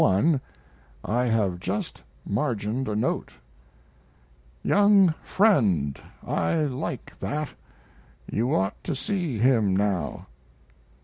I, I have just margined a note: "Young friend! I like that! You ought to see him now."